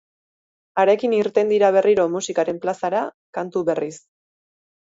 Harekin irten dira berriro musikaren plazara, kantu berriz.